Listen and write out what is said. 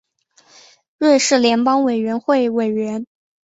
瑞士联邦委员会委员。